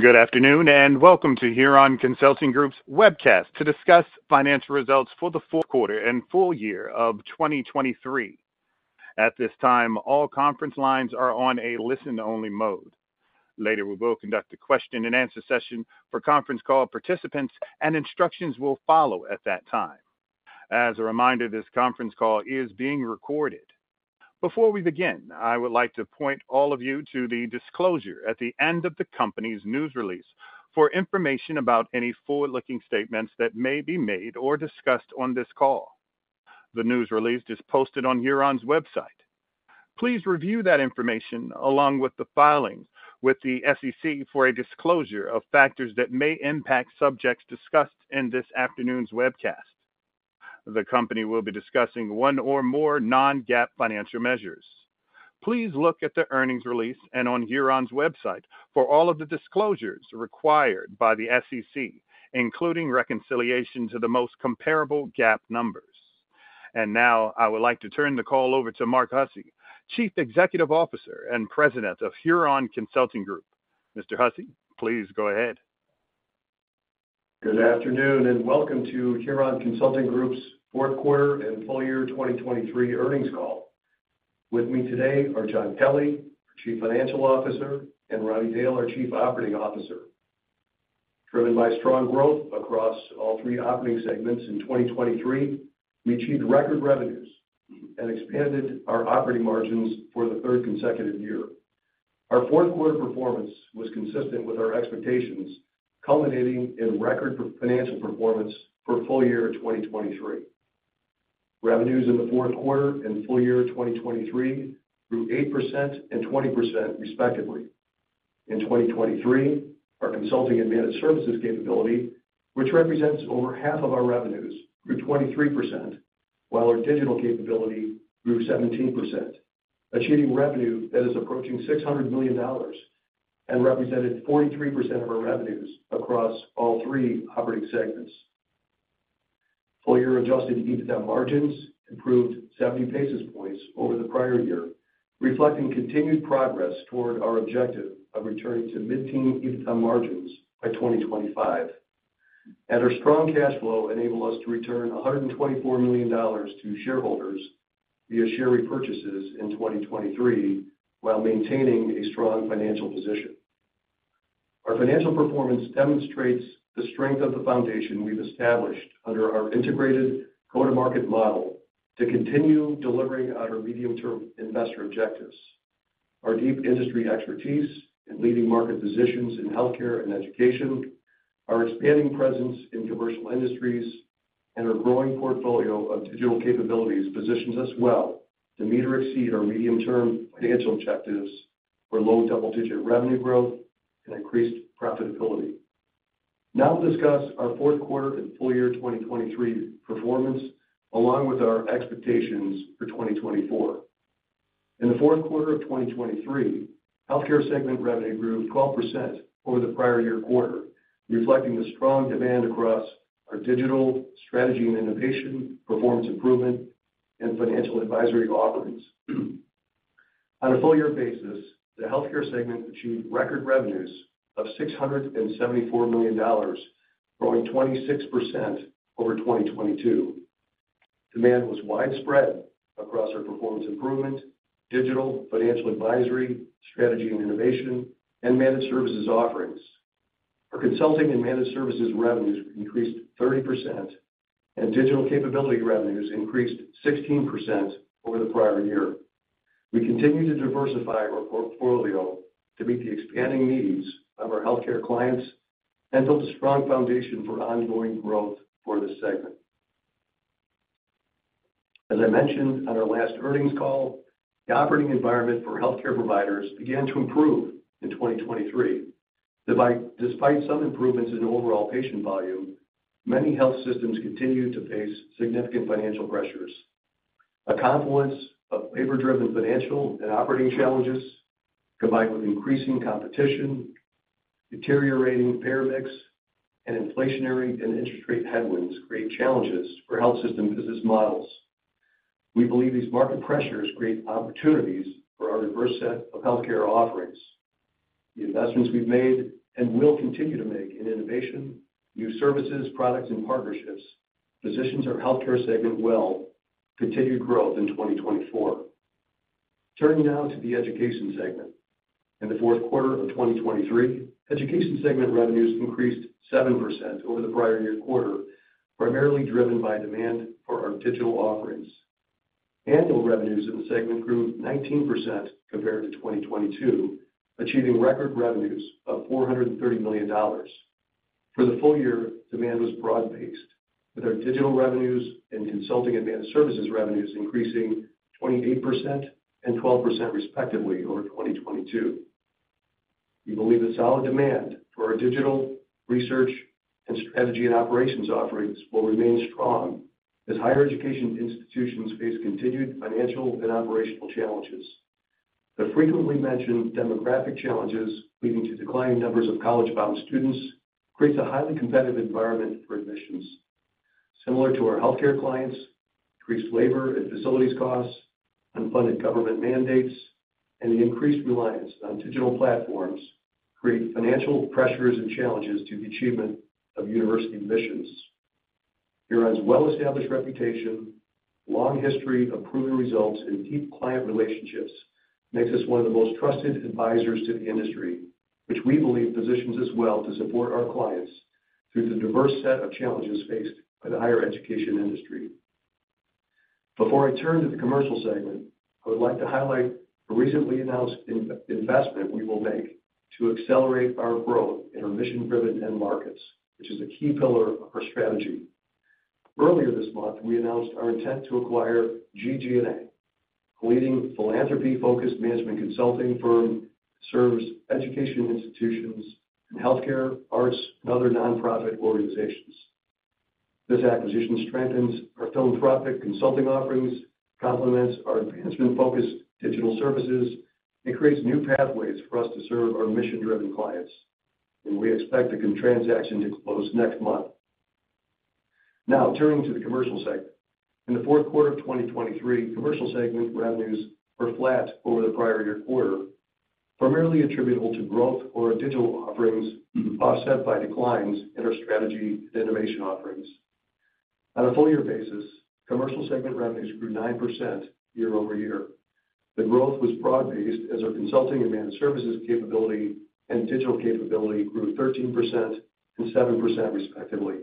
Good afternoon and welcome to Huron Consulting Group's Webcast to discuss financial results for the Q4 and full year of 2023. At this time, all conference lines are on a listen-only mode. Later, we will conduct a Q&A session for conference call participants, and instructions will follow at that time. As a reminder, this conference call is being recorded. Before we begin, I would like to point all of you to the disclosure at the end of the company's news release for information about any forward-looking statements that may be made or discussed on this call. The news release is posted on Huron's website. Please review that information along with the filings with the SEC for a disclosure of factors that may impact subjects discussed in this afternoon's webcast. The company will be discussing one or more non-GAAP financial measures. Please look at the earnings release and on Huron's website for all of the disclosures required by the SEC, including reconciliation to the most comparable GAAP numbers. Now I would like to turn the call over to Mark Hussey, Chief Executive Officer and President of Huron Consulting Group. Mr. Hussey, please go ahead. Good afternoon and welcome to Huron Consulting Group's Q4 and full year 2023 earnings call. With me today are John Kelly, our Chief Financial Officer, and Ronnie Dail, our Chief Operating Officer. Driven by strong growth across all three operating segments in 2023, we achieved record revenues and expanded our operating margins for the third consecutive year. Our Q4 performance was consistent with our expectations, culminating in record financial performance for full year 2023. Revenues in the Q4 and full year 2023 grew 8% and 20%, respectively. In 2023, our consulting and managed services capability, which represents over half of our revenues, grew 23%, while our digital capability grew 17%, achieving revenue that is approaching $600 million and represented 43% of our revenues across all three operating segments. Full year adjusted EBITDA margins improved 70 basis points over the prior year, reflecting continued progress toward our objective of returning to mid-teens EBITDA margins by 2025. Our strong cash flow enabled us to return $124 million to shareholders via share repurchases in 2023 while maintaining a strong financial position. Our financial performance demonstrates the strength of the foundation we've established under our integrated go-to-market model to continue delivering on our medium-term investor objectives. Our deep industry expertise in leading market positions in healthcare and education, our expanding presence in commercial industries, and our growing portfolio of digital capabilities positions us well to meet or exceed our medium-term financial objectives for low double-digit revenue growth and increased profitability. Now we'll discuss our Q4 and full year 2023 performance along with our expectations for 2024. In the Q4 of 2023, healthcare segment revenue grew 12% over the prior year quarter, reflecting the strong demand across our digital strategy and innovation, performance improvement, and financial advisory offerings. On a full-year basis, the healthcare segment achieved record revenues of $674 million, growing 26% over 2022. Demand was widespread across our performance improvement, digital financial advisory strategy and innovation, and managed services offerings. Our consulting and managed services revenues increased 30%, and digital capability revenues increased 16% over the prior year. We continue to diversify our portfolio to meet the expanding needs of our healthcare clients and build a strong foundation for ongoing growth for this segment. As I mentioned on our last earnings call, the operating environment for healthcare providers began to improve in 2023. Despite some improvements in overall patient volume, many health systems continue to face significant financial pressures. A confluence of labor-driven financial and operating challenges, combined with increasing competition, deteriorating payer mix, and inflationary and interest rate headwinds, create challenges for health system business models. We believe these market pressures create opportunities for our diverse set of healthcare offerings. The investments we've made and will continue to make in innovation, new services, products, and partnerships positions our healthcare segment well, continued growth in 2024. Turning now to the education segment. In the Q4 of 2023, education segment revenues increased 7% over the prior year quarter, primarily driven by demand for our digital offerings. Annual revenues in the segment grew 19% compared to 2022, achieving record revenues of $430 million. For the full year, demand was broad-based, with our digital revenues and consulting and managed services revenues increasing 28% and 12%, respectively, over 2022. We believe the solid demand for our digital research and strategy and operations offerings will remain strong as higher education institutions face continued financial and operational challenges. The frequently mentioned demographic challenges leading to declining numbers of college-bound students create a highly competitive environment for admissions. Similar to our healthcare clients, increased labor and facilities costs, unfunded government mandates, and the increased reliance on digital platforms create financial pressures and challenges to the achievement of university missions. Huron's well-established reputation, long history of proven results in deep client relationships, makes us one of the most trusted advisors to the industry, which we believe positions us well to support our clients through the diverse set of challenges faced by the higher education industry. Before I turn to the commercial segment, I would like to highlight a recently announced investment we will make to accelerate our growth in our mission-driven end markets, which is a key pillar of our strategy. Earlier this month, we announced our intent to acquire GG+A, a leading philanthropy-focused management consulting firm that serves education institutions and healthcare, arts, and other nonprofit organizations. This acquisition strengthens our philanthropic consulting offerings, complements our advancement-focused digital services, and creates new pathways for us to serve our mission-driven clients. And we expect the transaction to close next month. Now turning to the commercial segment. In the Q4 of 2023, commercial segment revenues were flat over the prior year quarter, primarily attributable to growth or digital offerings offset by declines in our strategy and innovation offerings. On a full-year basis, commercial segment revenues grew 9% year-over-year. The growth was broad-based as our consulting and managed services capability and digital capability grew 13% and 7%, respectively.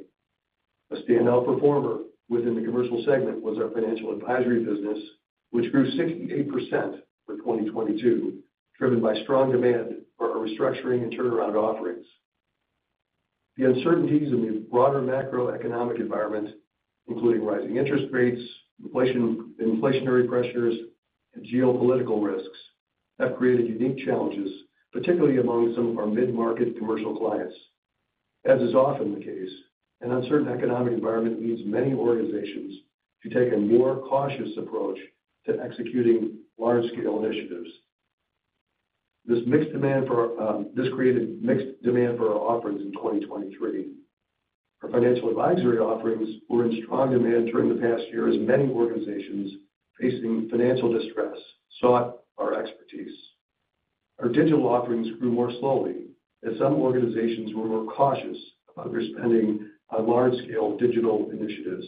A standout performer within the commercial segment was our financial advisory business, which grew 68% for 2022, driven by strong demand for our restructuring and turnaround offerings. The uncertainties in the broader macroeconomic environment, including rising interest rates, inflationary pressures, and geopolitical risks, have created unique challenges, particularly among some of our mid-market commercial clients. As is often the case, an uncertain economic environment leads many organizations to take a more cautious approach to executing large-scale initiatives. This created mixed demand for our offerings in 2023. Our financial advisory offerings were in strong demand during the past year as many organizations facing financial distress sought our expertise. Our digital offerings grew more slowly as some organizations were more cautious about their spending on large-scale digital initiatives.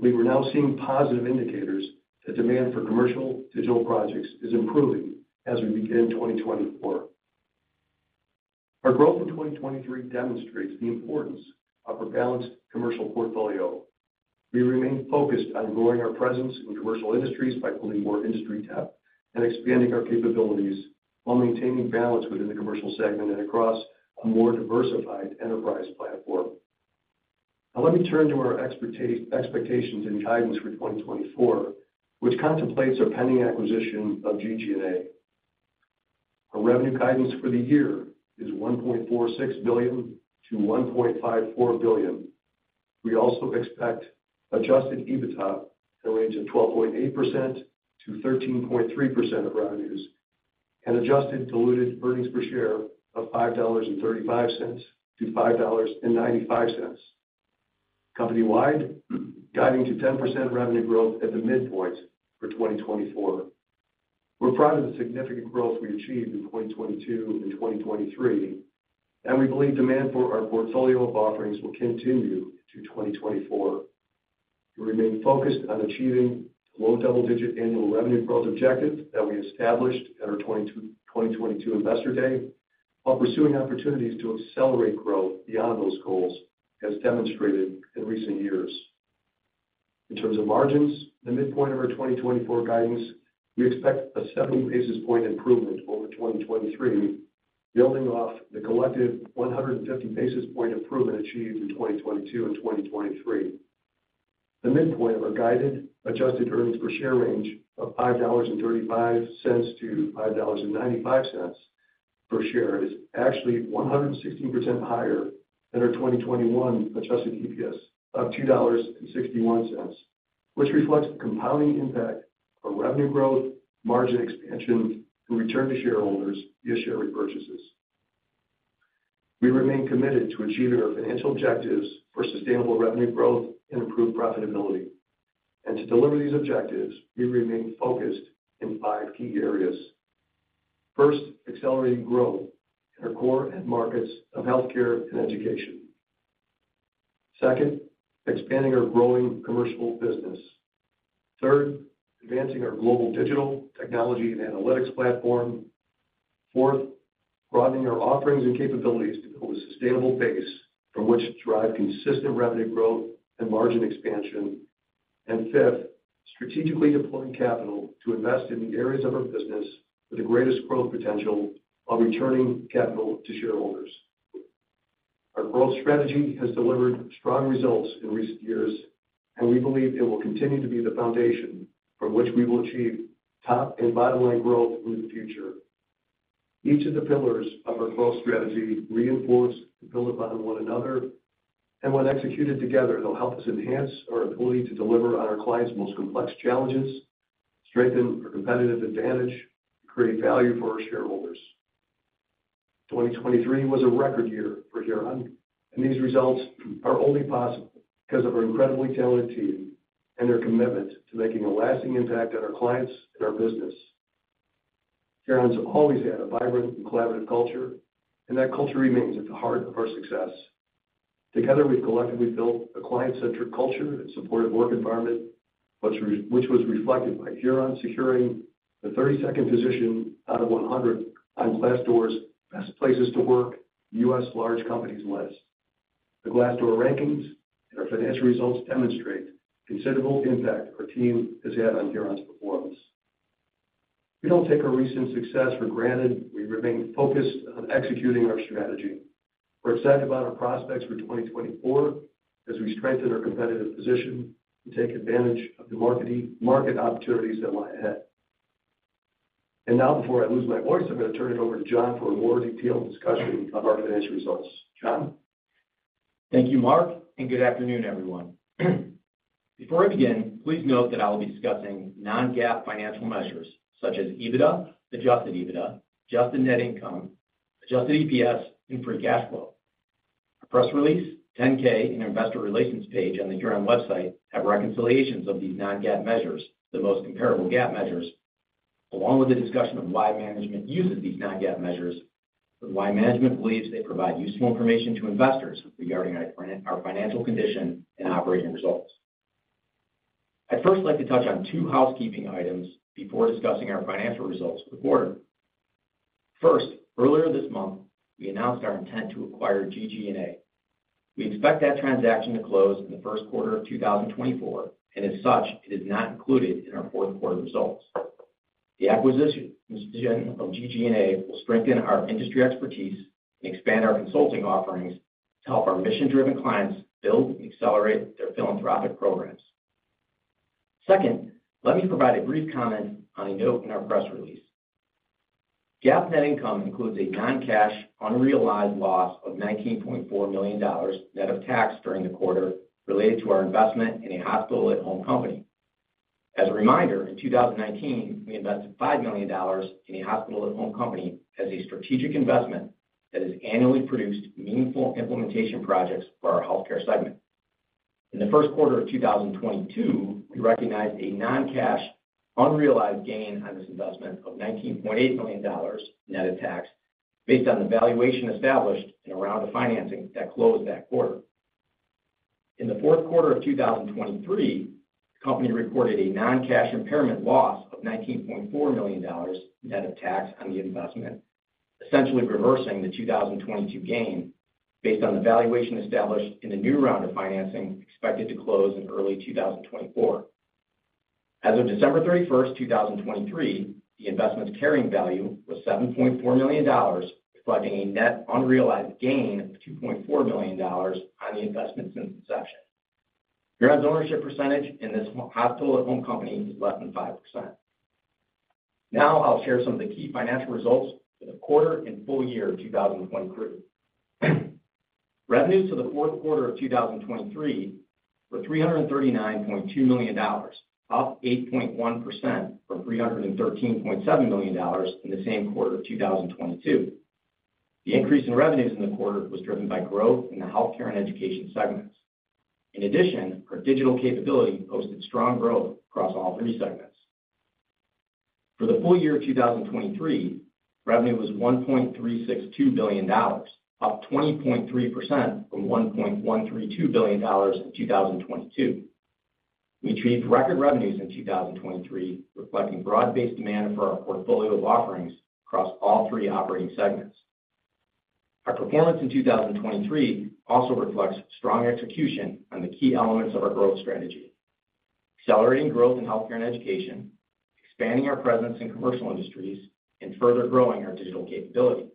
We are now seeing positive indicators that demand for commercial digital projects is improving as we begin 2024. Our growth in 2023 demonstrates the importance of a balanced commercial portfolio. We remain focused on growing our presence in commercial industries by pulling more industry depth and expanding our capabilities while maintaining balance within the commercial segment and across a more diversified enterprise platform. Now let me turn to our expectations and guidance for 2024, which contemplates our pending acquisition of GG+A. Our revenue guidance for the year is $1.46 billion-$1.54 billion. We also expect Adjusted EBITDA in a range of 12.8%-13.3% of revenues and adjusted diluted earnings per share of $5.35-$5.95, company-wide guiding to 10% revenue growth at the midpoint for 2024. We're proud of the significant growth we achieved in 2022 and 2023, and we believe demand for our portfolio of offerings will continue into 2024. We remain focused on achieving the low double-digit annual revenue growth objective that we established at our 2022 investor day while pursuing opportunities to accelerate growth beyond those goals as demonstrated in recent years. In terms of margins, the midpoint of our 2024 guidance, we expect a 70 basis point improvement over 2023, building off the collective 150 basis point improvement achieved in 2022 and 2023. The midpoint of our guided adjusted earnings per share range of $5.35-$5.95 per share is actually 116% higher than our 2021 adjusted EPS of $2.61, which reflects the compounding impact of revenue growth, margin expansion, and return to shareholders via share repurchases. We remain committed to achieving our financial objectives for sustainable revenue growth and improved profitability. To deliver these objectives, we remain focused in five key areas. First, accelerating growth in our core end markets of healthcare and education. Second, expanding our growing commercial business. Third, advancing our global digital technology and analytics platform. Fourth, broadening our offerings and capabilities to build a sustainable base from which to drive consistent revenue growth and margin expansion. And fifth, strategically deploying capital to invest in the areas of our business with the greatest growth potential while returning capital to shareholders. Our growth strategy has delivered strong results in recent years, and we believe it will continue to be the foundation from which we will achieve top and bottom-line growth in the future. Each of the pillars of our growth strategy reinforce and build upon one another, and when executed together, they'll help us enhance our ability to deliver on our clients' most complex challenges, strengthen our competitive advantage, and create value for our shareholders. 2023 was a record year for Huron, and these results are only possible because of our incredibly talented team and their commitment to making a lasting impact on our clients and our business. Huron's always had a vibrant and collaborative culture, and that culture remains at the heart of our success. Together, we've collectively built a client-centric culture and supportive work environment, which was reflected by Huron securing the 32nd position out of 100 on Glassdoor's Best Places to Work U.S. Large Companies list. The Glassdoor rankings and our financial results demonstrate considerable impact our team has had on Huron's performance. We don't take our recent success for granted. We remain focused on executing our strategy. We're excited about our prospects for 2024 as we strengthen our competitive position and take advantage of the market opportunities that lie ahead. Now, before I lose my voice, I'm going to turn it over to John for a more detailed discussion of our financial results. John? Thank you, Mark, and good afternoon, everyone. Before I begin, please note that I will be discussing non-GAAP financial measures such as EBITDA, adjusted EBITDA, adjusted net income, adjusted EPS, and free cash flow. A press release, 10-K, and investor relations page on the Huron website have reconciliations of these non-GAAP measures, the most comparable GAAP measures, along with a discussion of why management uses these non-GAAP measures and why management believes they provide useful information to investors regarding our financial condition and operating results. I'd first like to touch on two housekeeping items before discussing our financial results for the quarter. First, earlier this month, we announced our intent to acquire GG+A. We expect that transaction to close in the Q1 of 2024, and as such, it is not included in our Q4 results. The acquisition of GG+A will strengthen our industry expertise and expand our consulting offerings to help our mission-driven clients build and accelerate their philanthropic programs. Second, let me provide a brief comment on a note in our press release. GAAP net income includes a non-cash, unrealized loss of $19.4 million net of tax during the quarter related to our investment in a hospital-at-home company. As a reminder, in 2019, we invested $5 million in a hospital-at-home company as a strategic investment that has annually produced meaningful implementation projects for our healthcare segment. In the Q1 of 2022, we recognized a non-cash, unrealized gain on this investment of $19.8 million net of tax based on the valuation established in a round of financing that closed that quarter. In the Q4 of 2023, the company reported a non-cash impairment loss of $19.4 million net of tax on the investment, essentially reversing the 2022 gain based on the valuation established in a new round of financing expected to close in early 2024. As of December 31st, 2023, the investment's carrying value was $7.4 million, reflecting a net unrealized gain of $2.4 million on the investment since inception. Huron's ownership percentage in this Hospital-at-Home company is less than 5%. Now I'll share some of the key financial results for the quarter and full year 2023. Revenues for the Q4 of 2023 were $339.2 million, up 8.1% from $313.7 million in the same quarter of 2022. The increase in revenues in the quarter was driven by growth in the healthcare and education segments. In addition, our digital capability posted strong growth across all three segments. For the full year of 2023, revenue was $1.362 billion, up 20.3% from $1.132 billion in 2022. We achieved record revenues in 2023, reflecting broad-based demand for our portfolio of offerings across all three operating segments. Our performance in 2023 also reflects strong execution on the key elements of our growth strategy: accelerating growth in healthcare and education, expanding our presence in commercial industries, and further growing our digital capability.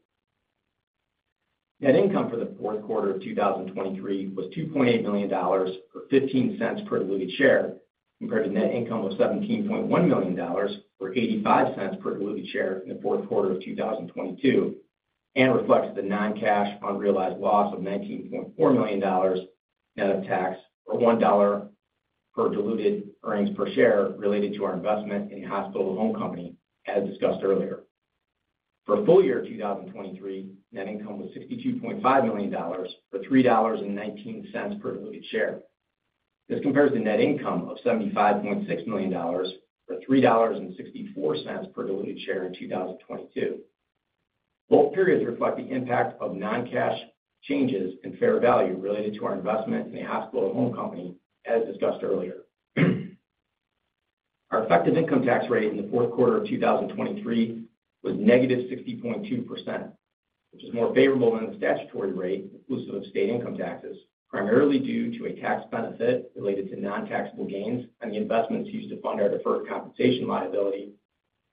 Net income for the Q4 of 2023 was $2.8 million or $0.15 per diluted share compared to net income of $17.1 million or $0.85 per diluted share in the Q4 of 2022 and reflects the non-cash, unrealized loss of $19.4 million net of tax or $1 per diluted earnings per share related to our investment in a Hospital-at-Home company, as discussed earlier. For a full year of 2023, net income was $62.5 million or $3.19 per diluted share. This compares to net income of $75.6 million or $3.64 per diluted share in 2022. Both periods reflect the impact of non-cash changes in fair value related to our investment in a Hospital-at-Home company, as discussed earlier. Our effective income tax rate in the Q4 of 2023 was -60.2%, which is more favorable than the statutory rate inclusive of state income taxes, primarily due to a tax benefit related to non-taxable gains on the investments used to fund our deferred compensation liability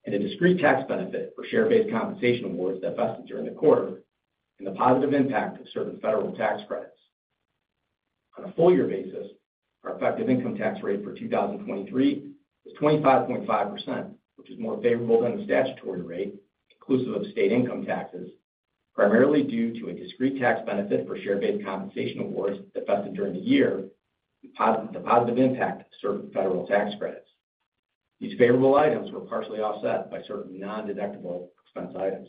and a discrete tax benefit for share-based compensation awards that vested during the quarter and the positive impact of certain federal tax credits. On a full-year basis, our effective income tax rate for 2023 was 25.5%, which is more favorable than the statutory rate inclusive of state income taxes, primarily due to a discrete tax benefit for share-based compensation awards that vested during the year and the positive impact of certain federal tax credits. These favorable items were partially offset by certain non-deductible expense items.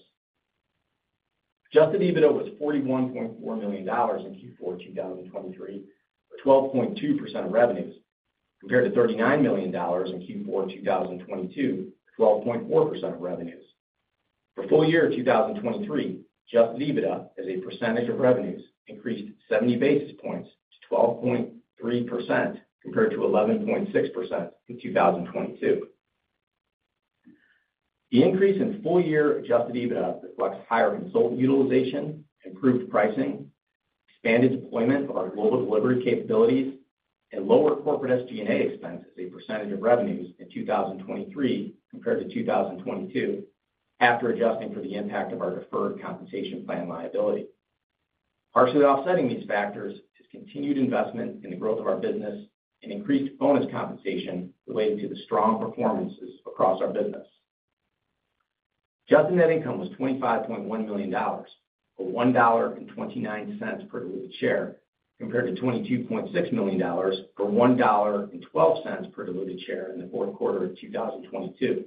Adjusted EBITDA was $41.4 million in Q4 2023 or 12.2% of revenues compared to $39 million in Q4 2022 or 12.4% of revenues. For a full year of 2023, adjusted EBITDA as a percentage of revenues increased 70 basis points to 12.3% compared to 11.6% in 2022. The increase in full-year adjusted EBITDA reflects higher consultant utilization, improved pricing, expanded deployment of our global delivery capabilities, and lower corporate SG&A expense as a percentage of revenues in 2023 compared to 2022 after adjusting for the impact of our deferred compensation plan liability. Partially offsetting these factors is continued investment in the growth of our business and increased bonus compensation related to the strong performances across our business. Adjusted net income was $25.1 million or $1.29 per diluted share compared to $22.6 million or $1.12 per diluted share in the Q4 of 2022.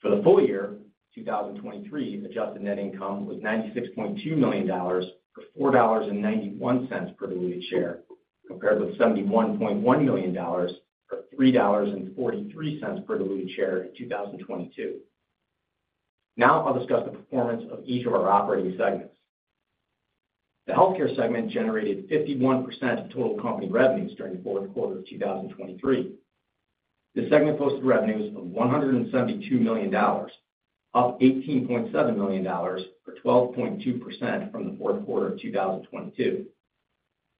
For the full year 2023, adjusted net income was $96.2 million or $4.91 per diluted share compared with $71.1 million or $3.43 per diluted share in 2022. Now I'll discuss the performance of each of our operating segments. The healthcare segment generated 51% of total company revenues during the Q4 of 2023. This segment posted revenues of $172 million, up $18.7 million or 12.2% from the Q4 of 2022.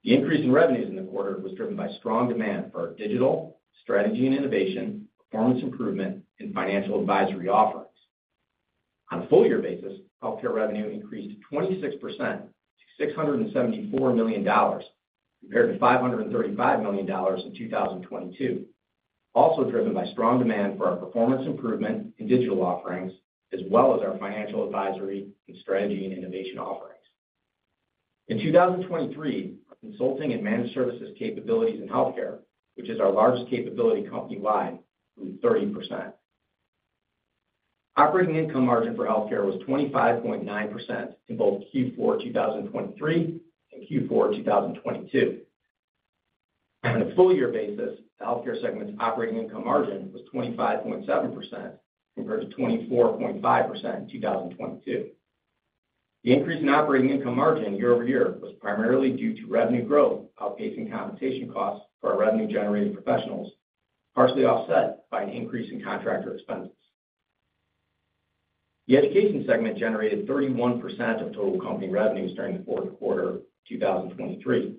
The increase in revenues in the quarter was driven by strong demand for our digital strategy and innovation, performance improvement, and financial advisory offerings. On a full-year basis, healthcare revenue increased 26% to $674 million compared to $535 million in 2022, also driven by strong demand for our performance improvement and digital offerings as well as our financial advisory and strategy and innovation offerings. In 2023, our consulting and managed services capabilities in healthcare, which is our largest capability company-wide, grew 30%. Operating income margin for healthcare was 25.9% in both Q4 2023 and Q4 2022. On a full-year basis, the healthcare segment's operating income margin was 25.7% compared to 24.5% in 2022. The increase in operating income margin year-over-year was primarily due to revenue growth outpacing compensation costs for our revenue-generating professionals, partially offset by an increase in contractor expenses. The education segment generated 31% of total company revenues during the Q4 of 2023.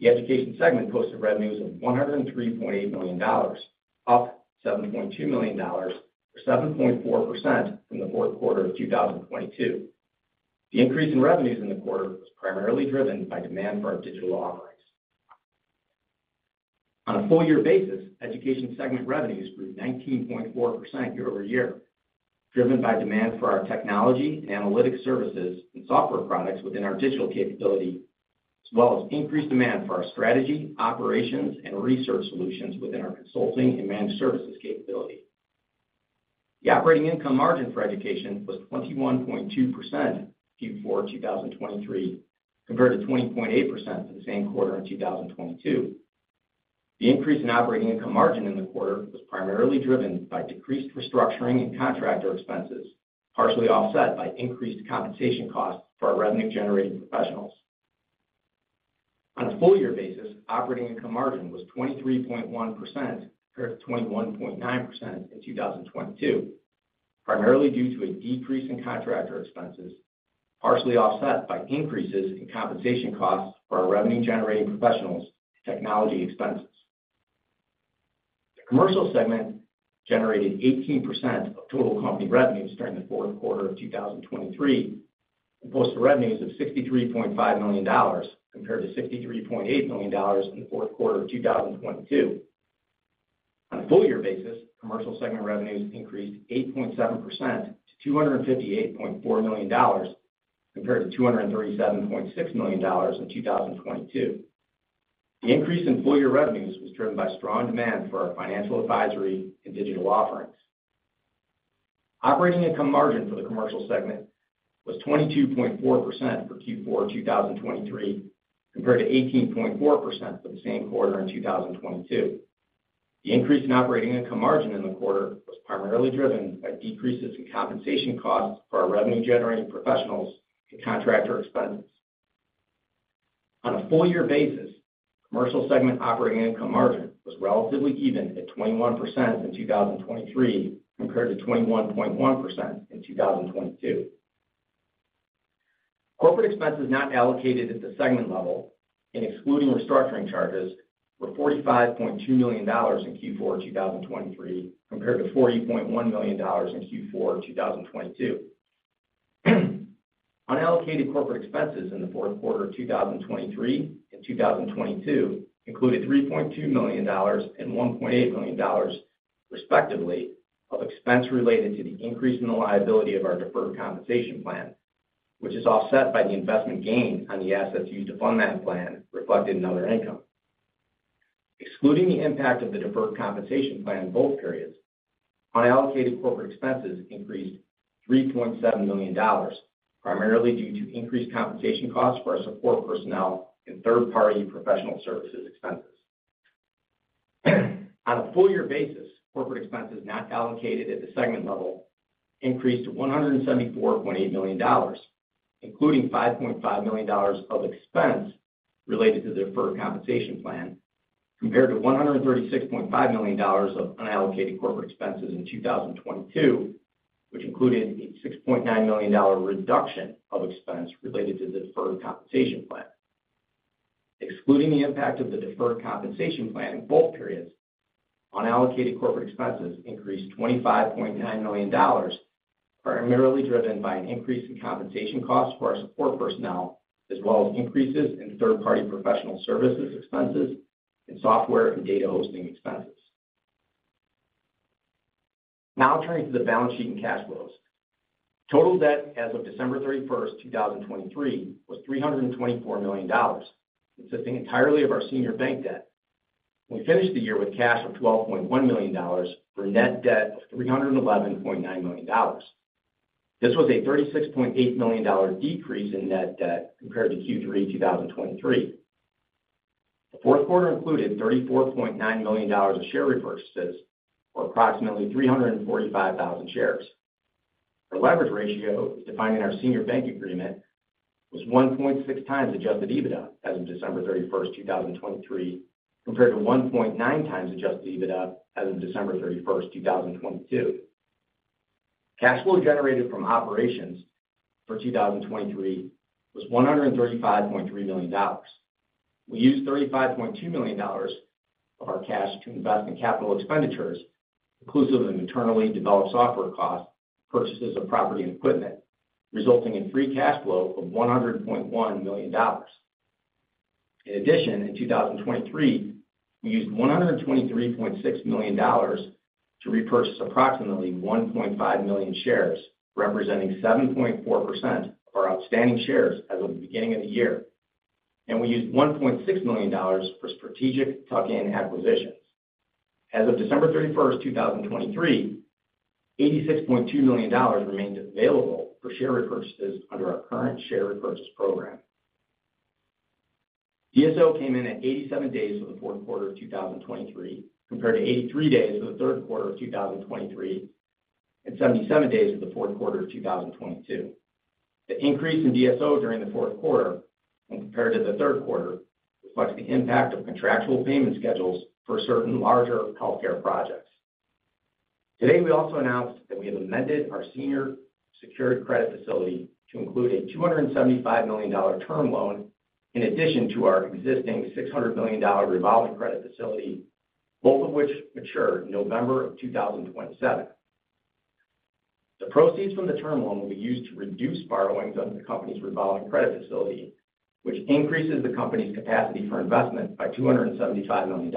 The education segment posted revenues of $103.8 million, up $7.2 million or 7.4% from the Q4 of 2022. The increase in revenues in the quarter was primarily driven by demand for our digital offerings. On a full-year basis, education segment revenues grew 19.4% year-over-year, driven by demand for our technology and analytics services and software products within our digital capability, as well as increased demand for our strategy, operations, and research solutions within our consulting and managed services capability. The operating income margin for education was 21.2% Q4 2023 compared to 20.8% for the same quarter in 2022. The increase in operating income margin in the quarter was primarily driven by decreased restructuring and contractor expenses, partially offset by increased compensation costs for our revenue-generating professionals. On a full-year basis, operating income margin was 23.1% compared to 21.9% in 2022, primarily due to a decrease in contractor expenses, partially offset by increases in compensation costs for our revenue-generating professionals and technology expenses. The commercial segment generated 18% of total company revenues during the Q4 of 2023 and posted revenues of $63.5 million compared to $63.8 million in the Q4 of 2022. On a full-year basis, commercial segment revenues increased 8.7% to $258.4 million compared to $237.6 million in 2022. The increase in full-year revenues was driven by strong demand for our financial advisory and digital offerings. Operating income margin for the commercial segment was 22.4% for Q4 2023 compared to 18.4% for the same quarter in 2022. The increase in operating income margin in the quarter was primarily driven by decreases in compensation costs for our revenue-generating professionals and contractor expenses. On a full-year basis, commercial segment operating income margin was relatively even at 21% in 2023 compared to 21.1% in 2022. Corporate expenses not allocated at the segment level and excluding restructuring charges were $45.2 million in Q4 2023 compared to $40.1 million in Q4 2022. Unallocated corporate expenses in the Q4 of 2023 and 2022 included $3.2 million and $1.8 million, respectively, of expense related to the increase in the liability of our deferred compensation plan, which is offset by the investment gain on the assets used to fund that plan reflected in other income. Excluding the impact of the deferred compensation plan in both periods, unallocated corporate expenses increased $3.7 million, primarily due to increased compensation costs for our support personnel and third-party professional services expenses. On a full-year basis, corporate expenses not allocated at the segment level increased to $174.8 million, including $5.5 million of expense related to the deferred compensation plan compared to $136.5 million of unallocated corporate expenses in 2022, which included a $6.9 million reduction of expense related to the deferred compensation plan. Excluding the impact of the deferred compensation plan in both periods, unallocated corporate expenses increased $25.9 million, primarily driven by an increase in compensation costs for our support personnel as well as increases in third-party professional services expenses and software and data hosting expenses. Now turning to the balance sheet and cash flows. Total debt as of December 31st, 2023, was $324 million, consisting entirely of our senior bank debt. We finished the year with cash of $12.1 million for net debt of $311.9 million. This was a $36.8 million decrease in net debt compared to Q3 2023. The Q4 included $34.9 million of share repurchases or approximately 345,000 shares. Our Leverage Ratio, as defined in our senior bank agreement, was 1.6 times Adjusted EBITDA as of December 31st, 2023, compared to 1.9 times Adjusted EBITDA as of December 31st, 2022. Cash flow generated from operations for 2023 was $135.3 million. We used $35.2 million of our cash to invest in capital expenditures inclusive of internally developed software costs, purchases of property and equipment, resulting in free cash flow of $100.1 million. In addition, in 2023, we used $123.6 million to repurchase approximately 1.5 million shares, representing 7.4% of our outstanding shares as of the beginning of the year. We used $1.6 million for strategic tuck-in acquisitions. As of December 31st, 2023, $86.2 million remained available for share repurchases under our current share repurchase program. DSO came in at 87 days for the Q4 of 2023 compared to 83 days for the Q3 of 2023 and 77 days for the Q4 of 2022. The increase in DSO during the Q4 when compared to the Q3 reflects the impact of contractual payment schedules for certain larger healthcare projects. Today, we also announced that we have amended our senior secured credit facility to include a $275 million term loan in addition to our existing $600 million revolving credit facility, both of which mature in November of 2027. The proceeds from the term loan will be used to reduce borrowings under the company's revolving credit facility, which increases the company's capacity for investment by $275 million.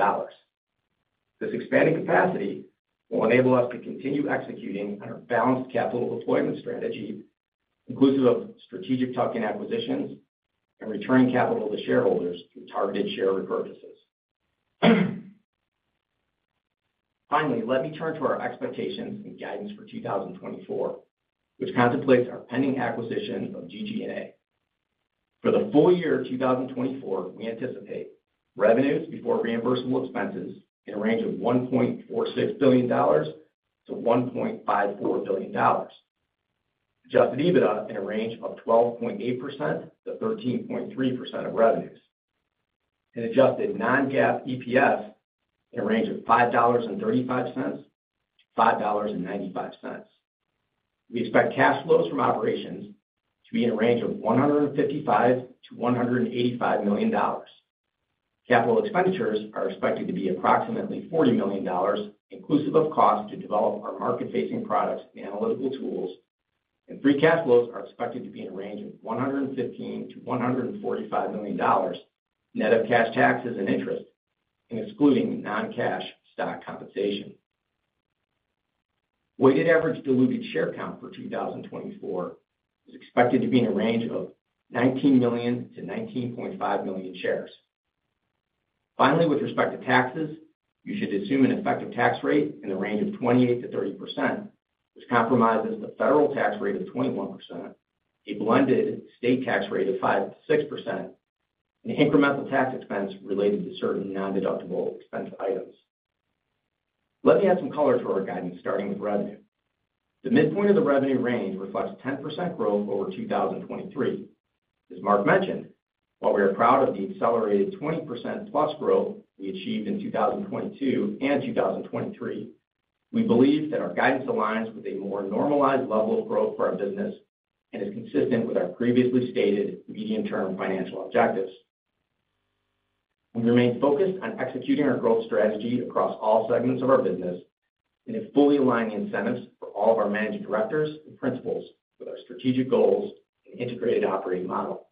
This expanded capacity will enable us to continue executing on our balanced capital deployment strategy inclusive of strategic tuck-in acquisitions and returning capital to shareholders through targeted share repurchases. Finally, let me turn to our expectations and guidance for 2024, which contemplates our pending acquisition of GG+A. For the full year of 2024, we anticipate revenues before reimbursable expenses in a range of $1.46 billion-$1.54 billion, adjusted EBITDA in a range of 12.8%-13.3% of revenues, and adjusted non-GAAP EPS in a range of $5.35-$5.95. We expect cash flows from operations to be in a range of $155 million-$185 million. Capital expenditures are expected to be approximately $40 million inclusive of costs to develop our market-facing products and analytical tools, and free cash flows are expected to be in a range of $115-$145 million net of cash, taxes, and interest and excluding non-cash stock compensation. Weighted average diluted share count for 2024 is expected to be in a range of 19-19.5 million shares. Finally, with respect to taxes, you should assume an effective tax rate in the range of 28%-30%, which comprises the federal tax rate of 21%, a blended state tax rate of 5%-6%, and incremental tax expense related to certain non-deductible expense items. Let me add some color to our guidance starting with revenue. The midpoint of the revenue range reflects 10% growth over 2023. As Mark mentioned, while we are proud of the accelerated 20%+ growth we achieved in 2022 and 2023, we believe that our guidance aligns with a more normalized level of growth for our business and is consistent with our previously stated medium-term financial objectives. We remain focused on executing our growth strategy across all segments of our business and have fully aligned the incentives for all of our managing directors and principals with our strategic goals and integrated operating model.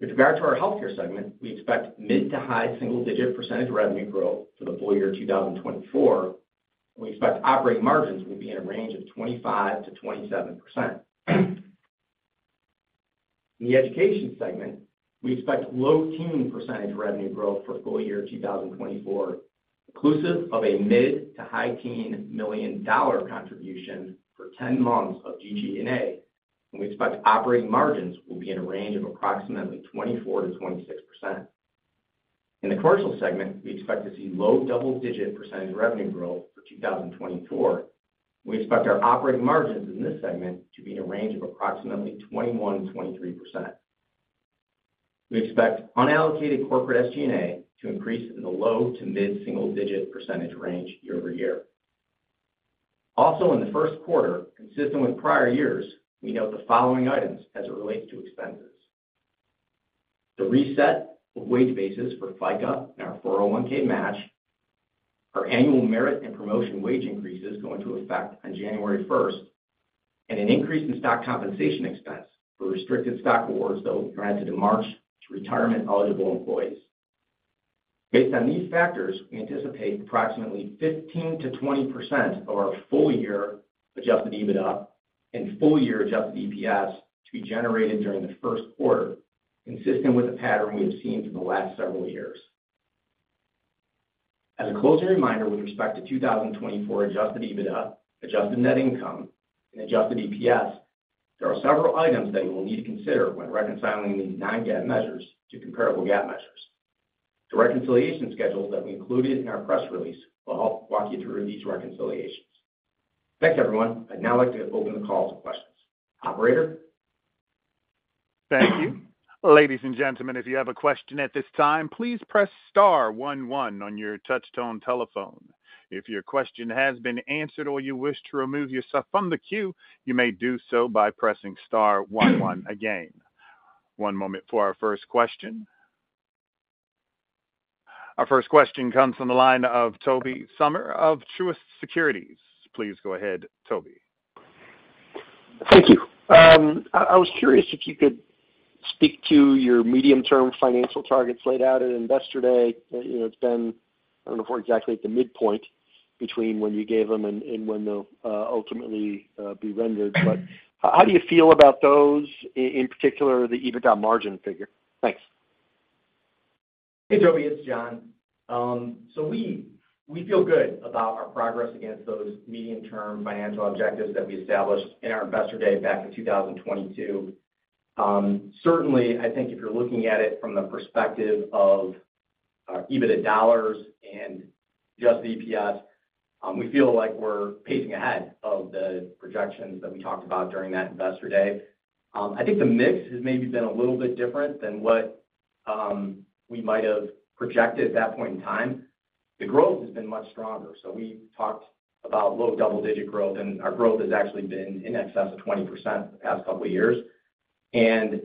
With regard to our healthcare segment, we expect mid to high single-digit percentage revenue growth for the full year 2024, and we expect operating margins will be in a range of 25%-27%. In the education segment, we expect low-teen% revenue growth for full year 2024 inclusive of a mid- to high-teen $ million contribution for 10 months of GG+A, and we expect operating margins will be in a range of approximately 24%-26%. In the commercial segment, we expect to see low double-digit% revenue growth for 2024, and we expect our operating margins in this segment to be in a range of approximately 21%-23%. We expect unallocated corporate SG&A to increase in the low- to mid-single-digit% range year-over-year. Also, in the Q1 consistent with prior years, we note the following items as it relates to expenses: the reset of wage bases for FICA and our 401(k) match, our annual merit and promotion wage increases going to take effect on January 1st, and an increase in stock compensation expense for restricted stock rewards, though granted in March to retirement-eligible employees. Based on these factors, we anticipate approximately 15%-20% of our full-year Adjusted EBITDA and full-year Adjusted EPS to be generated during the Q1 consistent with the pattern we have seen for the last several years. As a closing reminder with respect to 2024 Adjusted EBITDA, adjusted net income, and Adjusted EPS, there are several items that you will need to consider when reconciling these non-GAAP measures to comparable GAAP measures. The reconciliation schedules that we included in our press release will help walk you through these reconciliations. Thanks, everyone. I'd now like to open the call to questions. Operator? Thank you. Ladies and gentlemen, if you have a question at this time, please press star 11 on your touchtone telephone. If your question has been answered or you wish to remove yourself from the queue, you may do so by pressing star 11 again. One moment for our first question. Our first question comes from the line of Tobey Sommer of Truist Securities. Please go ahead, Tobey. Thank you. I was curious if you could speak to your medium-term financial targets laid out at Investor Day. You know, it's been I don't know if we're exactly at the midpoint between when you gave them and when they'll ultimately be rendered. But how do you feel about those, in particular the EBITDA margin figure? Thanks. Hey, Tobey. It's John. So we feel good about our progress against those medium-term financial objectives that we established in our Investor Day back in 2022. Certainly, I think if you're looking at it from the perspective of our EBITDA dollars and adjusted EPS, we feel like we're pacing ahead of the projections that we talked about during that Investor Day. I think the mix has maybe been a little bit different than what we might have projected at that point in time. The growth has been much stronger. So we talked about low double-digit growth, and our growth has actually been in excess of 20% the past couple of years. And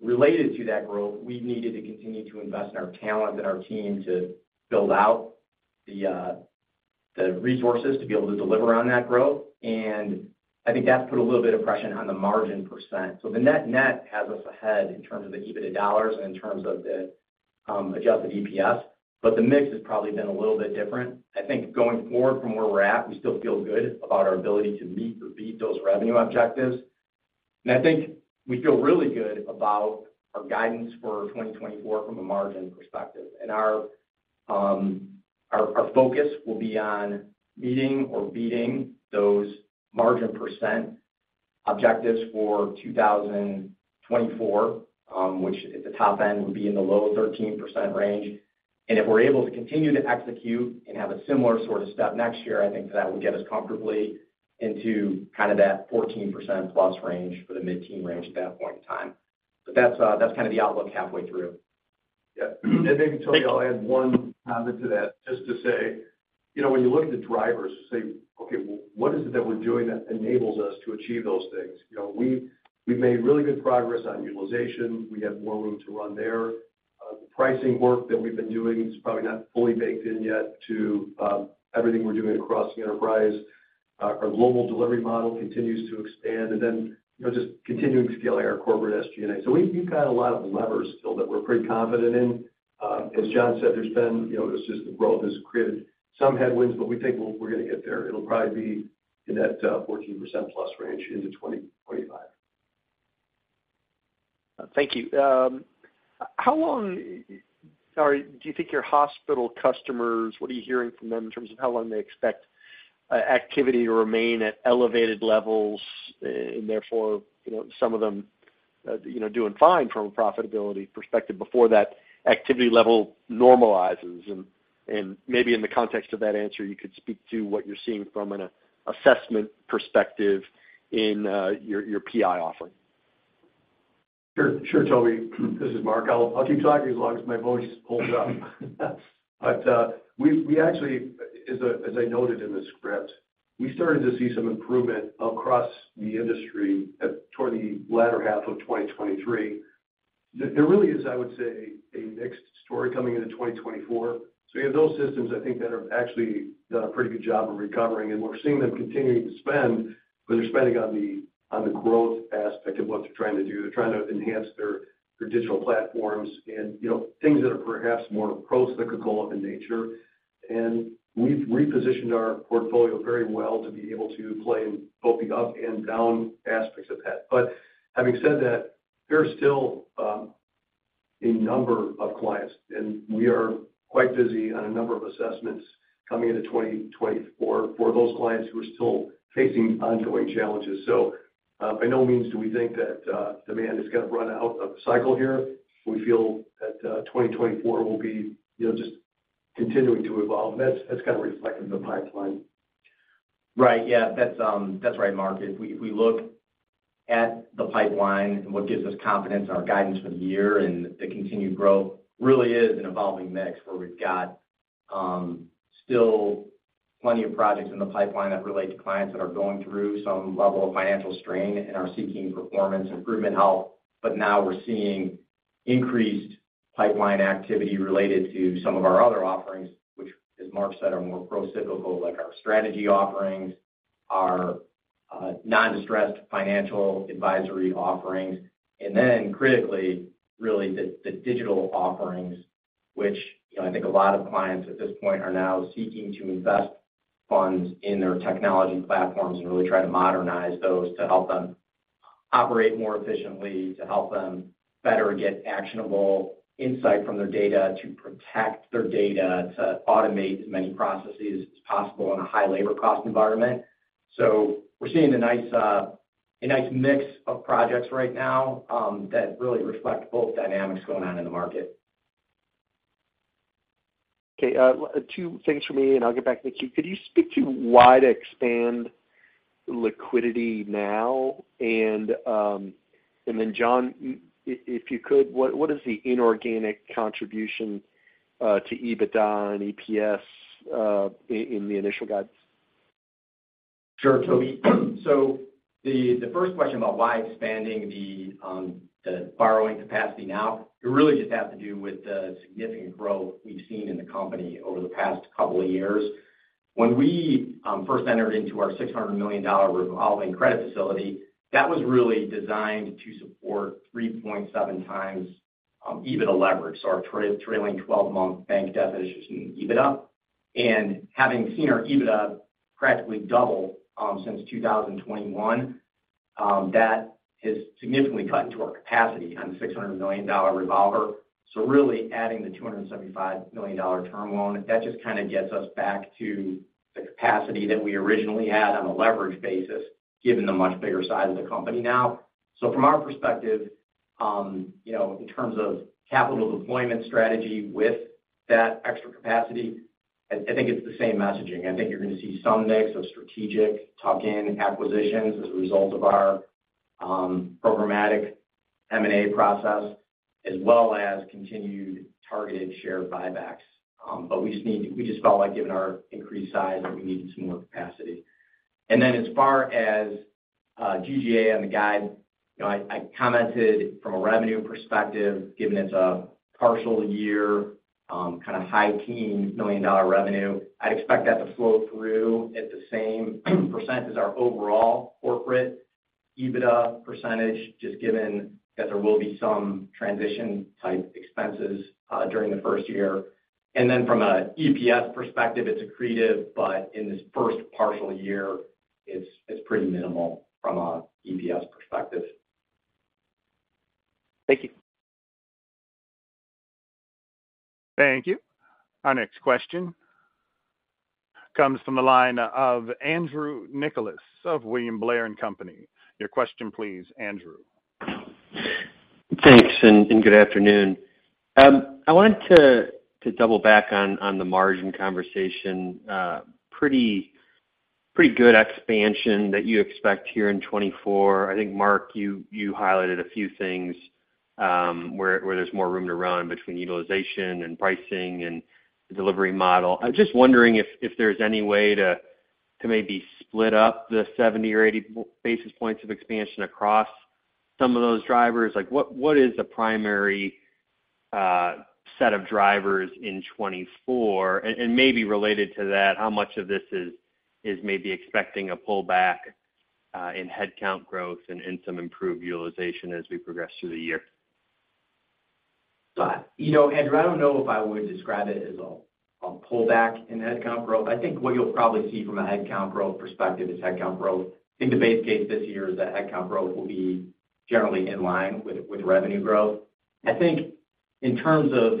related to that growth, we've needed to continue to invest in our talent and our team to build out the resources to be able to deliver on that growth. And I think that's put a little bit of pressure on the margin percent. So the net net has us ahead in terms of the EBITDA dollars and in terms of the adjusted EPS. But the mix has probably been a little bit different. I think going forward from where we're at, we still feel good about our ability to meet or beat those revenue objectives. And I think we feel really good about our guidance for 2024 from a margin perspective. And our focus will be on meeting or beating those margin percent objectives for 2024, which at the top end would be in the low 13% range. If we're able to continue to execute and have a similar sort of step next year, I think that would get us comfortably into kind of that 14%+ range for the mid-teen range at that point in time. But that's kind of the outlook halfway through. Yeah. And maybe, Tobey, I'll add one comment to that just to say, you know, when you look at the drivers, say, "Okay, well, what is it that we're doing that enables us to achieve those things?" You know, we've made really good progress on utilization. We have more room to run there. The pricing work that we've been doing is probably not fully baked in yet to everything we're doing across the enterprise. Our global delivery model continues to expand and then, you know, just continuing scaling our corporate SG&A. So we've got a lot of levers still that we're pretty confident in. As John said, there's been you know, it's just the growth has created some headwinds, but we think we're going to get there. It'll probably be in that 14%+ range into 2025. Thank you. How long, sorry. Do you think your hospital customers what are you hearing from them in terms of how long they expect activity to remain at elevated levels and therefore, you know, some of them, you know, doing fine from a profitability perspective before that activity level normalizes? And maybe in the context of that answer, you could speak to what you're seeing from an assessment perspective in your PI offering. Sure. Sure, Tobey. This is Mark. I'll keep talking as long as my voice holds up. But we actually, as I noted in the script, started to see some improvement across the industry toward the latter half of 2023. There really is, I would say, a mixed story coming into 2024. So you have those systems, I think, that have actually done a pretty good job of recovering, and we're seeing them continuing to spend, but they're spending on the growth aspect of what they're trying to do. They're trying to enhance their digital platforms and, you know, things that are perhaps more prolific in nature. And we've repositioned our portfolio very well to be able to play in both the up and down aspects of that. But having said that, there are still a number of clients, and we are quite busy on a number of assessments coming into 2024 for those clients who are still facing ongoing challenges. So by no means do we think that demand is going to run out of the cycle here. We feel that 2024 will be, you know, just continuing to evolve. And that's kind of reflective of the pipeline. Right. Yeah, that's right, Mark. If we look at the pipeline and what gives us confidence in our guidance for the year and the continued growth, really is an evolving mix where we've got still plenty of projects in the pipeline that relate to clients that are going through some level of financial strain and are seeking performance improvement help. But now we're seeing increased pipeline activity related to some of our other offerings, which, as Mark said, are more procyclical, like our strategy offerings, our non-distressed financial advisory offerings, and then critically, really, the digital offerings, which, you know, I think a lot of clients at this point are now seeking to invest funds in their technology platforms and really try to modernize those to help them operate more efficiently, to help them better get actionable insight from their data, to protect their data, to automate as many processes as possible in a high labor cost environment. So we're seeing a nice mix of projects right now that really reflect both dynamics going on in the market. Okay. Two things from me, and I'll get back to the queue. Could you speak to why to expand liquidity now? And then, John, if you could, what is the inorganic contribution to EBITDA and EPS in the initial guides? Sure, Tobey. So the first question about why expanding the borrowing capacity now, it really just has to do with the significant growth we've seen in the company over the past couple of years. When we first entered into our $600 million revolving credit facility, that was really designed to support 3.7x EBITDA leverage, so based on our trailing 12-month EBITDA. And having seen our EBITDA practically double since 2021, that has significantly cut into our capacity on the $600 million revolver. So really adding the $275 million term loan, that just kind of gets us back to the capacity that we originally had on a leverage basis given the much bigger size of the company now. So from our perspective, you know, in terms of capital deployment strategy with that extra capacity, I think it's the same messaging. I think you're going to see some mix of strategic tuck-in acquisitions as a result of our programmatic M&A process as well as continued targeted share buybacks. But we just felt like, given our increased size, that we needed some more capacity. And then as far as GG+A and the guide, you know, I commented from a revenue perspective, given it's a partial year, kind of high-teen $ million revenue, I'd expect that to flow through at the same % as our overall corporate EBITDA %, just given that there will be some transition-type expenses during the first year. And then from an EPS perspective, it's accretive, but in this first partial year, it's pretty minimal from an EPS perspective. Thank you. Thank you. Our next question comes from the line of Andrew Nicholas of William Blair & Company. Your question, please, Andrew. Thanks and good afternoon. I wanted to double back on the margin conversation. Pretty good expansion that you expect here in 2024. I think, Mark, you highlighted a few things where there's more room to run between utilization and pricing and the delivery model. I'm just wondering if there's any way to maybe split up the 70 or 80 basis points of expansion across some of those drivers. Like, what is the primary set of drivers in 2024? And maybe related to that, how much of this is maybe expecting a pullback in headcount growth and some improved utilization as we progress through the year? You know, Andrew, I don't know if I would describe it as a pullback in headcount growth. I think what you'll probably see from a headcount growth perspective is headcount growth. I think the base case this year is that headcount growth will be generally in line with revenue growth. I think in terms of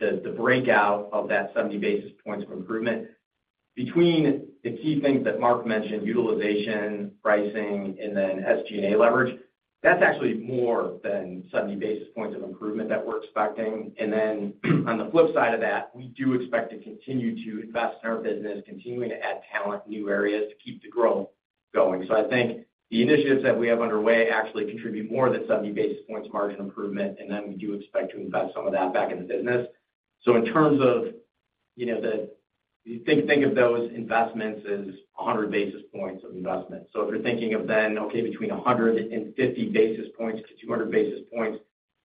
the breakout of that 70 basis points of improvement, between the key things that Mark mentioned, utilization, pricing, and then SG&A leverage, that's actually more than 70 basis points of improvement that we're expecting. And then on the flip side of that, we do expect to continue to invest in our business, continuing to add talent, new areas to keep the growth going. So I think the initiatives that we have underway actually contribute more than 70 basis points margin improvement, and then we do expect to invest some of that back in the business. So in terms of, you know, you think of those investments as 100 basis points of investment. So if you're thinking of then, okay, between 100 and 50 basis points to 200 basis points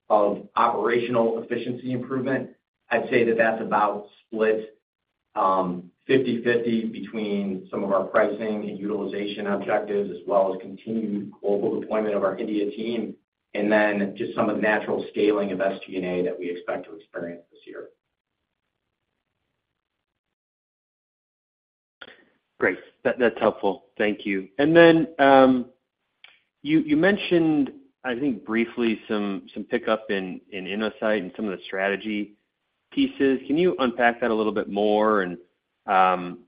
of operational efficiency improvement, I'd say that that's about split 50/50 between some of our pricing and utilization objectives as well as continued global deployment of our India team and then just some of the natural scaling of SG&A that we expect to experience this year. Great. That's helpful. Thank you. And then you mentioned, I think briefly, some pickup in Innosight and some of the strategy pieces. Can you unpack that a little bit more? And,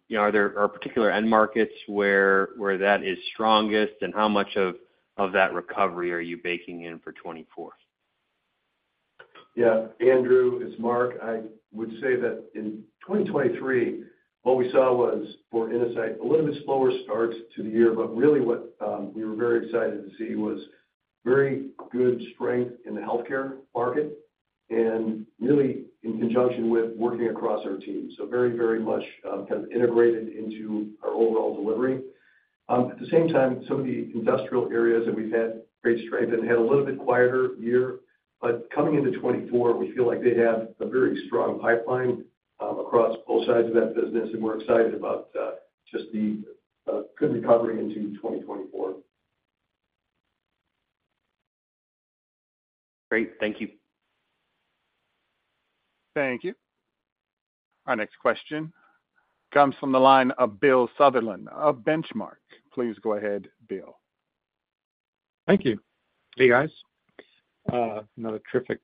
you know, are there particular end markets where that is strongest, and how much of that recovery are you baking in for 2024? Yeah, Andrew, it's Mark. I would say that in 2023, what we saw was, for Innosight, a little bit slower start to the year. But really, what we were very excited to see was very good strength in the healthcare market and really in conjunction with working across our team. So very, very much kind of integrated into our overall delivery. At the same time, some of the industrial areas that we've had great strength in had a little bit quieter year. But coming into 2024, we feel like they have a very strong pipeline across both sides of that business, and we're excited about just the good recovery into 2024. Great. Thank you. Thank you. Our next question comes from the line of Bill Sutherland of Benchmark. Please go ahead, Bill. Thank you. Hey, guys. Another terrific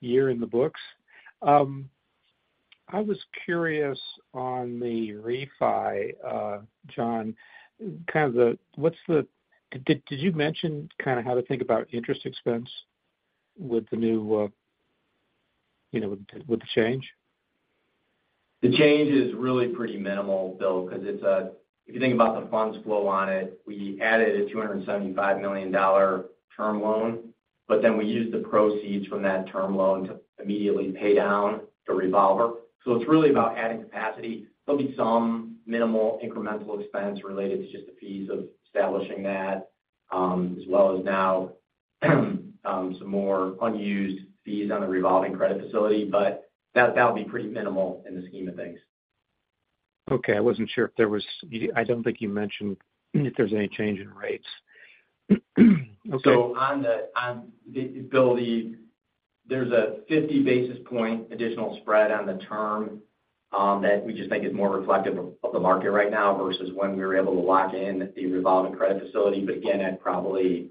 year in the books. I was curious on the refi, John, kind of the what's the did you mention kind of how to think about interest expense with the new you know, with the change? The change is really pretty minimal, Bill, because it's if you think about the funds flow on it, we added a $275 million term loan, but then we used the proceeds from that term loan to immediately pay down the revolver. So it's really about adding capacity. There'll be some minimal incremental expense related to just the fees of establishing that as well as now some more unused fees on the revolving credit facility, but that'll be pretty minimal in the scheme of things. Okay. I wasn't sure. I don't think you mentioned if there's any change in rates. Okay. So on the ability, there's a 50 basis point additional spread on the term that we just think is more reflective of the market right now versus when we were able to lock in the revolving credit facility. But again, that probably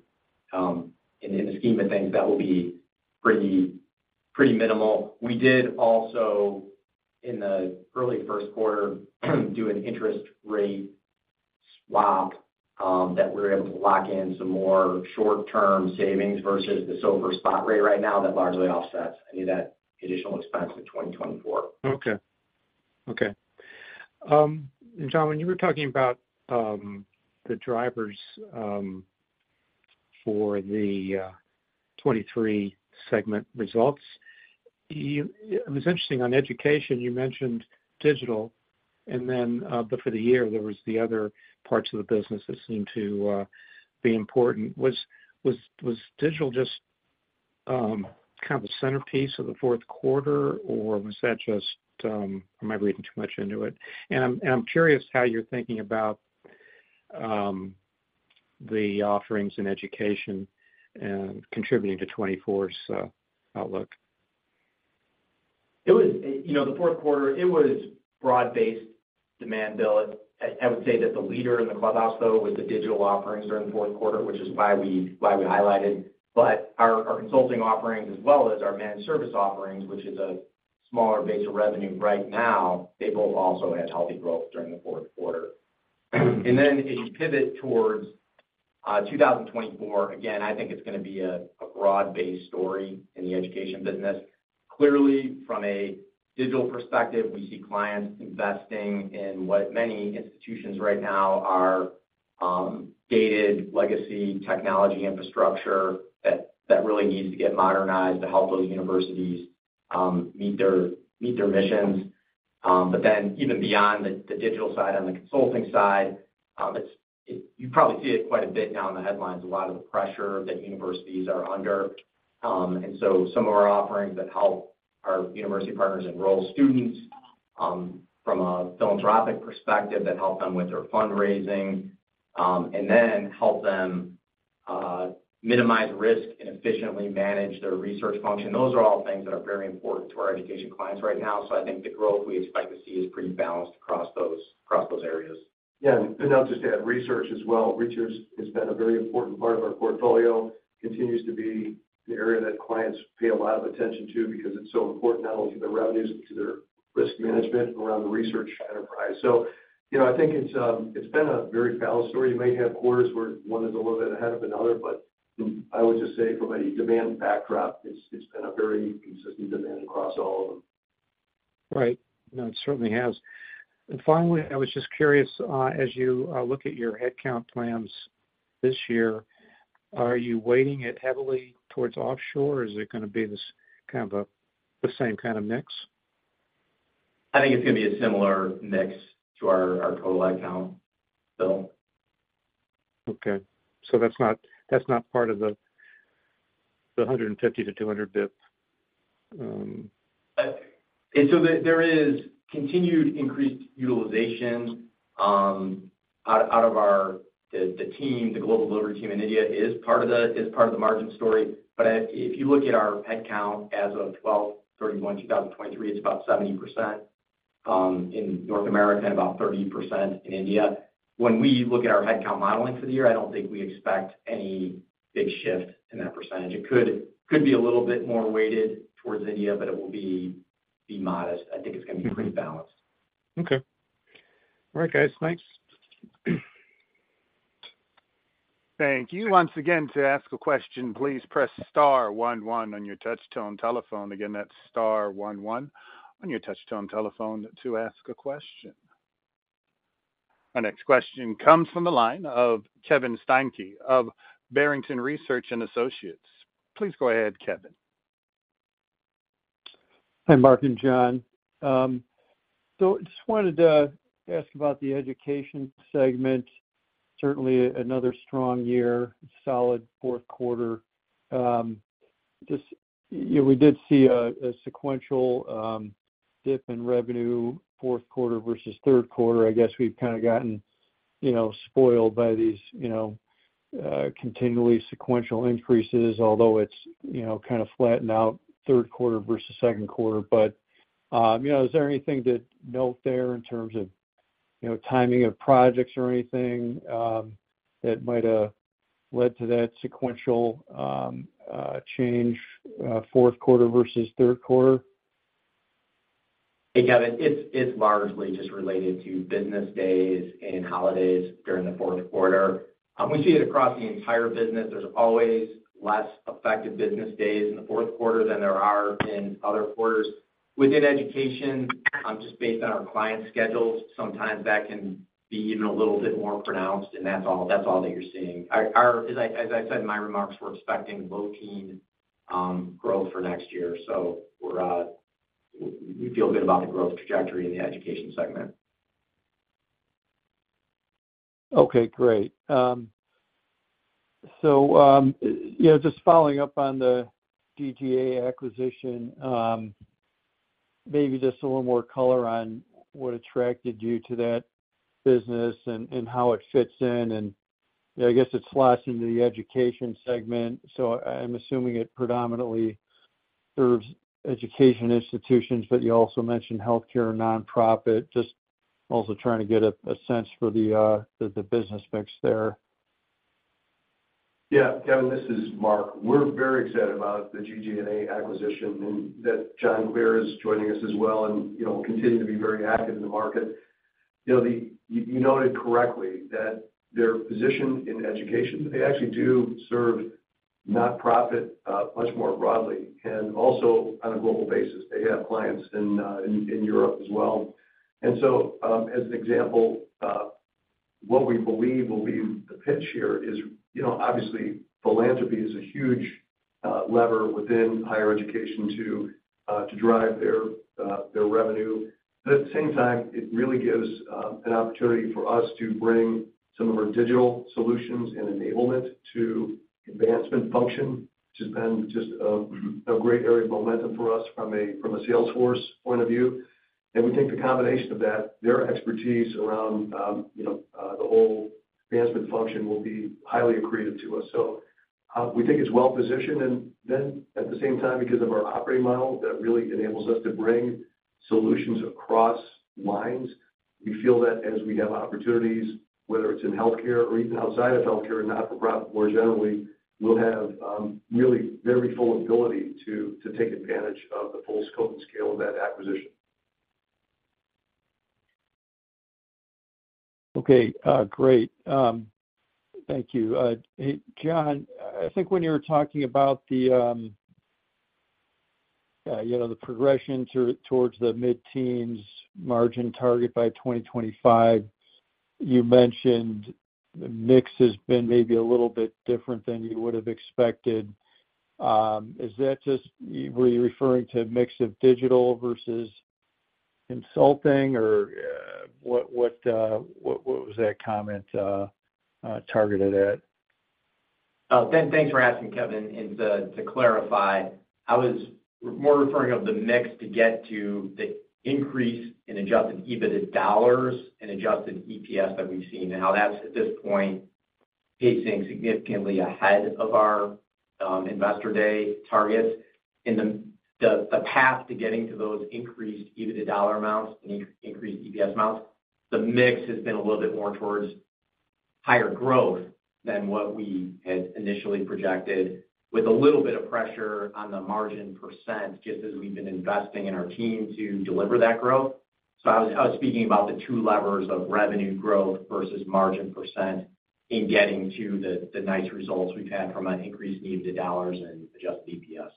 in the scheme of things, that will be pretty minimal. We did also, in the early Q1, do an interest rate swap that we were able to lock in some more short-term savings versus the SOFR spot rate right now that largely offsets any of that additional expense in 2024. Okay. Okay. And, John, when you were talking about the drivers for the 2023 segment results, it was interesting. On education, you mentioned digital, and then but for the year, there was the other parts of the business that seemed to be important. Was digital just kind of the centerpiece of the Q4, or was that just am I reading too much into it? And I'm curious how you're thinking about the offerings in education and contributing to 2024's outlook. It was, you know, the Q4. It was broad-based demand, Bill. I I would say that the leader in the clubhouse, though, was the digital offerings during the Q4, which is why we why we highlighted. But our our consulting offerings as well as our managed service offerings, which is a smaller base of revenue right now, they both also had healthy growth during the Q4. And then if you pivot towards 2024, again, I think it's going to be a a broad-based story in the education business. Clearly, from a digital perspective, we see clients investing in what many institutions right now are gated legacy technology infrastructure that that really needs to get modernized to help those universities meet their meet their missions. But then even beyond the digital side on the consulting side, it's you probably see it quite a bit now in the headlines, a lot of the pressure that universities are under. So some of our offerings that help our university partners enroll students from a philanthropic perspective that help them with their fundraising and then help them minimize risk and efficiently manage their research function, those are all things that are very important to our education clients right now. So I think the growth we expect to see is pretty balanced across those areas. Yeah. I'll just add research as well. Research has been a very important part of our portfolio, continues to be an area that clients pay a lot of attention to because it's so important not only to their revenues but to their risk management around the research enterprise. So, you know, I think it's been a very balanced story. You may have quarters where one is a little bit ahead of another, but I would just say from a demand backdrop, it's been a very consistent demand across all of them. Right. No, it certainly has. Finally, I was just curious, as you look at your headcount plans this year, are you weighting it heavily towards offshore, or is it going to be this kind of the same kind of mix? I think it's going to be a similar mix to our total headcount, Bill. Okay. So that's not part of the 150-200 basis points? So there is continued increased utilization out of our team, the global delivery team in India is part of the margin story. But if you look at our headcount as of 12/31/2023, it's about 70% in North America and about 30% in India. When we look at our headcount modeling for the year, I don't think we expect any big shift in that percentage. It could be a little bit more weighted towards India, but it will be modest. I think it's going to be pretty balanced. Okay. All right, guys. Thanks. Thank you. Once again, to ask a question, please press star 11 on your touch-tone telephone. Again, that's star 11 on your touch-tone telephone to ask a question. Our next question comes from the line of Kevin Steinke of Barrington Research Associates. Please go ahead, Kevin. Hi, Mark and John. So I just wanted to ask about the education segment. Certainly another strong year, solid Q4. Just, you know, we did see a sequential dip in revenue Q4 versus Q3. I guess we've kind of gotten, you know, spoiled by these, you know, continually sequential increases, although it's, you know, kind of flattened out Q3 versus Q2. But, you know, is there anything to note there in terms of, you know, timing of projects or anything that might have led to that sequential change Q4 versus Q3? Hey, Kevin. It's largely just related to business days and holidays during the Q4. We see it across the entire business. There's always less effective business days in the Q4 than there are in other quarters. Within education, just based on our client schedules, sometimes that can be even a little bit more pronounced, and that's all that you're seeing. As I said in my remarks, we're expecting low-teens growth for next year. So we feel good about the growth trajectory in the education segment. Okay. Great. So, you know, just following up on the GG+A acquisition, maybe just a little more color on what attracted you to that business and how it fits in. And, you know, I guess it slots into the education segment. So I'm assuming it predominantly serves education institutions, but you also mentioned healthcare nonprofit, just also trying to get a sense for the business mix there. Yeah. Kevin, this is Mark. We're very excited about the GG+A acquisition and that John Glier is joining us as well and, you know, will continue to be very active in the market. You know, you noted correctly that they're positioned in education, but they actually do serve nonprofit much more broadly. And also, on a global basis, they have clients in Europe as well. And so as an example, what we believe will be the pitch here is, you know, obviously, philanthropy is a huge lever within higher education to drive their revenue. But at the same time, it really gives an opportunity for us to bring some of our digital solutions and enablement to advancement function, which has been just a great area of momentum for us from a Salesforce point of view. We think the combination of that, their expertise around, you know, the whole advancement function will be highly accretive to us. We think it's well-positioned. Then at the same time, because of our operating model that really enables us to bring solutions across lines, we feel that as we have opportunities, whether it's in healthcare or even outside of healthcare and not-for-profit more generally, we'll have really very full ability to take advantage of the full scope and scale of that acquisition. Okay. Great. Thank you. Hey, John, I think when you were talking about the, you know, the progression towards the mid-teens margin target by 2025, you mentioned the mix has been maybe a little bit different than you would have expected. Is that just were you referring to a mix of digital versus consulting, or what what what what was that comment targeted at? Thanks for asking, Kevin. And to clarify, I was more referring to the mix to get to the increase in adjusted EBITDA dollars and adjusted EPS that we've seen and how that's, at this point, pacing significantly ahead of our investor day targets. In the path to getting to those increased EBITDA dollar amounts and increased EPS amounts, the mix has been a little bit more towards higher growth than what we had initially projected with a little bit of pressure on the margin percent just as we've been investing in our team to deliver that growth. So I was speaking about the two levers of revenue growth versus margin percent in getting to the nice results we've had from an increased EBITDA dollars and adjusted EPS.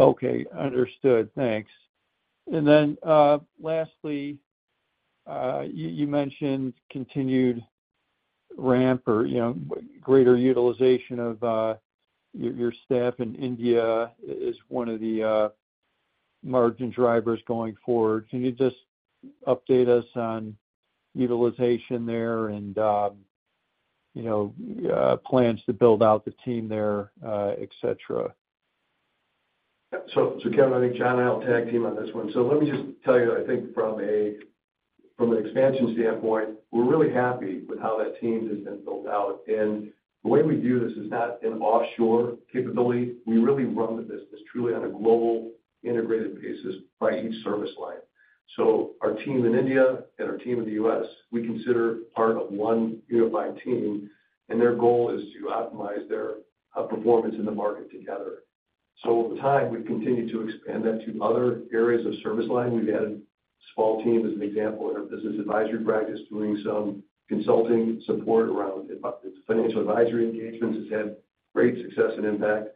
Okay. Understood. Thanks. And then lastly, you mentioned continued ramp or, you know, greater utilization of your staff in India is one of the margin drivers going forward. Can you just update us on utilization there and, you know, plans to build out the team there, et cetera? So so Kevin, I think John and I will tag team on this one. So let me just tell you, I think from an expansion standpoint, we're really happy with how that team has been built out. And the way we view this is not an offshore capability. We really run the business truly on a global integrated basis by each service line. So our team in India and our team in the U.S., we consider part of one unified team, and their goal is to optimize their performance in the market together. So over time, we've continued to expand that to other areas of service line. We've added small team, as an example, in our business advisory practice doing some consulting support around financial advisory engagements. It's had great success and impact.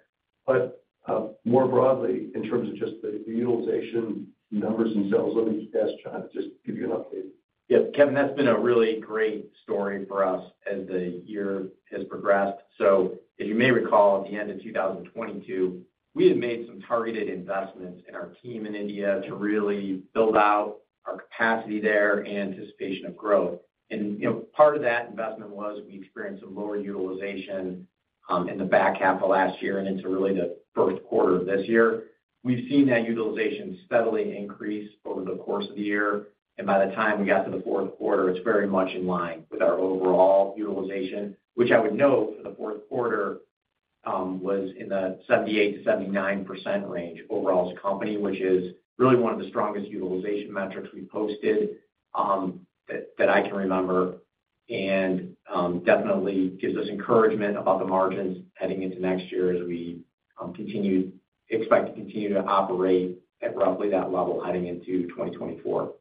But more broadly, in terms of just the utilization numbers themselves, let me just ask John to just give you an update. Yeah. Kevin, that's been a really great story for us as the year has progressed. So as you may recall, at the end of 2022, we had made some targeted investments in our team in India to really build out our capacity there and anticipation of growth. And, you know, part of that investment was we experienced some lower utilization in the back half of last year and into really the Q1 of this year. We've seen that utilization steadily increase over the course of the year. By the time we got to the Q4, it's very much in line with our overall utilization, which I would note for the Q4 was in the 78%-79% range overall as a company, which is really one of the strongest utilization metrics we posted that I can remember and definitely gives us encouragement about the margins heading into next year as we expect to continue to operate at roughly that level heading into 2024.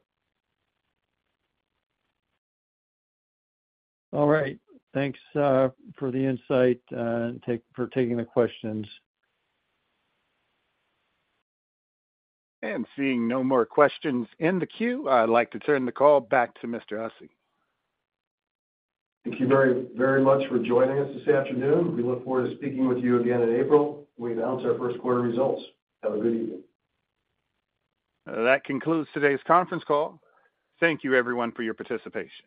All right. Thanks for the insight and thanks for taking the questions. Seeing no more questions in the queue, I'd like to turn the call back to Mr. Hussey. Thank you very very much for joining us this afternoon. We look forward to speaking with you again in April when we announce our Q1 results. Have a good evening. That concludes today's conference call. Thank you, everyone, for your participation.